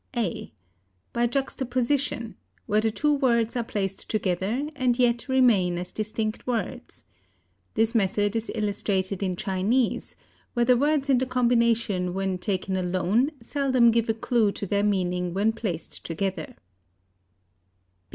a. By juxtaposition, where the two words are placed together and yet remain as distinct words. This method is illustrated in Chinese, where the words in the combination when taken alone seldom give a clew to their meaning when placed together.